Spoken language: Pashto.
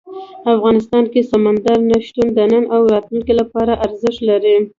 افغانستان کې سمندر نه شتون د نن او راتلونکي لپاره ارزښت لري.